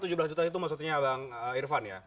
tujuh belas juta itu maksudnya bang irfan ya